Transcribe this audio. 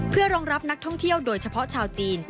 เพื่อรองรับนักท่องเที่ยวโดยเฉพาะชาวจีน